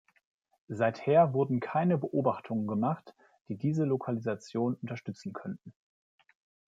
Seither wurden keine Beobachtungen gemacht, die diese Lokalisation unterstützen könnten.